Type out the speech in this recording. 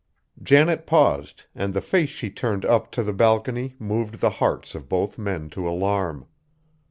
Janet paused, and the face she turned up to the balcony moved the hearts of both men to alarm.